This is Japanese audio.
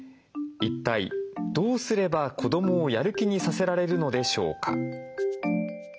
一体どうすれば子どもをやる気にさせられるのでしょうか」。